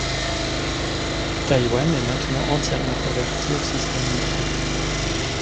Taiwan est maintenant entièrement convertie au système métrique.